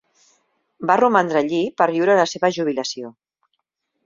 Va romandre allí per viure la seva jubilació.